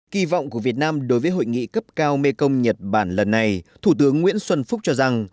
kỳ vọng của việt nam đối với hội nghị cấp cao mekong nhật bản lần này thủ tướng nguyễn xuân phúc cho rằng